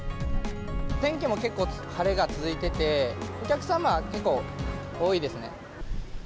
天気も結構晴れが続いてて、お客様、結構多いですね。